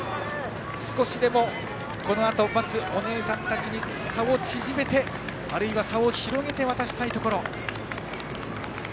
少しでもこのあと待つお姉さんたちに差を縮めて、あるいは差を広げて渡したいところ。